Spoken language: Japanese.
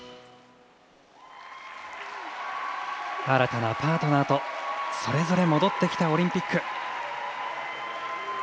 新たなパートナーとそれぞれ戻ってきたオリンピック。